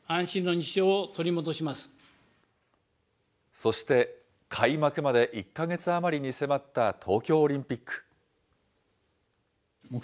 そして、開幕まで１か月余りに迫った東京オリンピック。